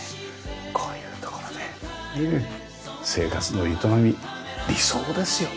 こういう所で生活の営み理想ですよね。